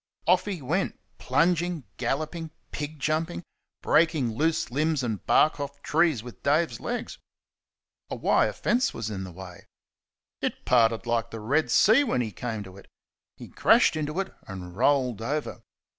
Off he went, plunging, galloping, pig jumping, breaking loose limbs and bark off trees with Dave's legs. A wire fence was in his way. It parted like the Red Sea when he came to it he crashed into it and rolled over.